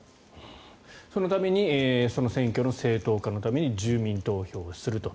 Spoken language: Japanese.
そのために占拠の正当化のために住民投票をすると。